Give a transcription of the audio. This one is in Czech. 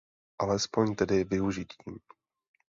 Alespoň tedy využitím.